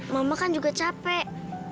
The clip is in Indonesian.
mama kan juga capek